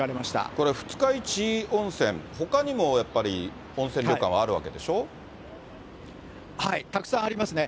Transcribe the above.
これ二日市温泉、ほかにもやっぱり、温泉旅館はあるわけでしたくさんありますね。